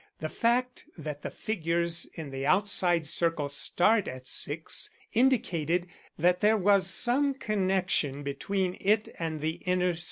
The fact that the figures in the outside circle start at 6 indicated that there was some connection between it and the inner 6.